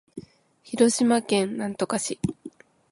広島県呉市